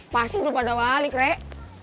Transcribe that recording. pasti udah pada balik rek